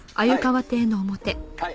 はい。